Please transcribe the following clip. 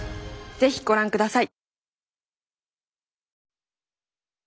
是非ご覧ください。